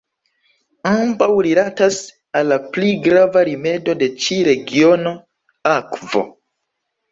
Ambaŭ rilatas al la pli grava rimedo de ĉi regiono: akvo.